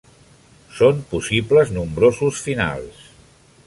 Són possibles nombrosos finals.